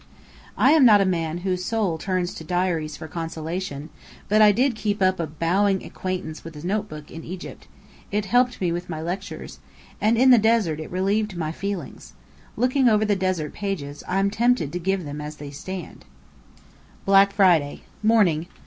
I am not a man whose soul turns to diaries for consolation; but I did keep up a bowing acquaintance with a notebook in Egypt it helped me with my lectures and in the desert it relieved my feelings. Looking over the desert pages, I'm tempted to give them as they stand: Black Friday: Morning.